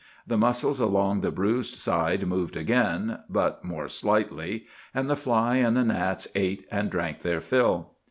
The muscles along the bruised side moved again, but more slightly, and the fly and the gnats ate and drank their fill.